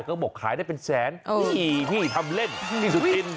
ก็บอกขายได้เป็นแสนนี่พี่ทำเล่นที่สุดอิน